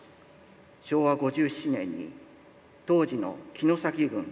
昭和５７年に当時の城崎郡